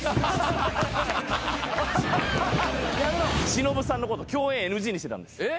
忍さんのこと共演ＮＧにしてたんです。え！？